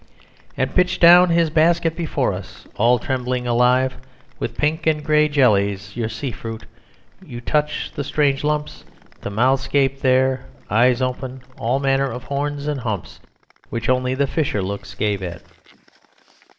"And pitch down his basket before us, All trembling alive With pink and grey jellies, your sea fruit; You touch the strange lumps, And mouths gape there, eyes open, all manner Of horns and of humps, Which only the fisher looks grave at."